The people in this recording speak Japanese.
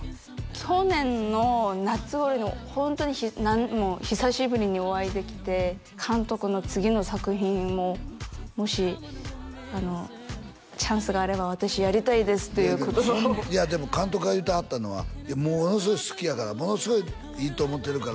去年の夏頃にホントに久しぶりにお会いできて「監督の次の作品も」「もしチャンスがあれば私やりたいです」という言葉をいやでも監督が言うてはったのは「ものすごい好きやからものすごいいいと思ってるから」